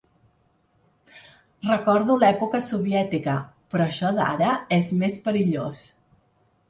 “Recordo l’època soviètica, però això d’ara és més perillós”